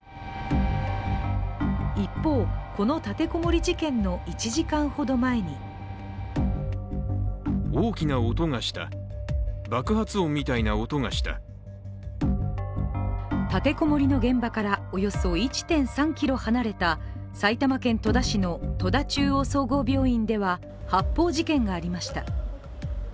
一方、この立てこもり事件の１時間ほど前に立てこもりの現場からおよそ１．３ｋｍ離れた埼玉県戸田市の戸田中央総合病院では発砲事件がありました。